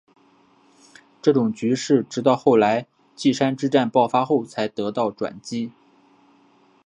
这种局势直到后来稷山之战爆发后才得到转机。